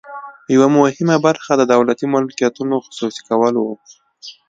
یوه مهمه برخه د دولتي ملکیتونو خصوصي کول وو.